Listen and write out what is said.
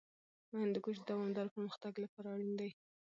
هندوکش د دوامداره پرمختګ لپاره اړین دی.